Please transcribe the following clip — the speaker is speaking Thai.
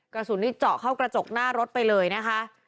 กระสุนนี้เจาะเข้ากระจกหน้ารถไปเลยนะคะ